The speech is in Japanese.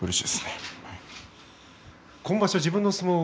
今場所、自分の相撲